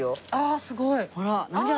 あすごい！